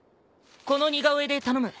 この似顔絵で頼む。